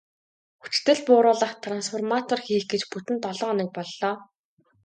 Хүчдэл бууруулах трансформатор хийх гэж бүтэн долоо хоног боллоо.